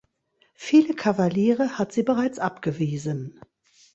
Viele Kavaliere hat sie bereits abgewiesen.